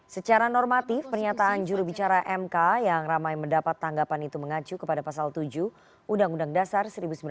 secara normatif pernyataan jurubicara mk yang ramai mendapat tanggapan itu mengacu kepada pasal tujuh undang undang dasar seribu sembilan ratus empat puluh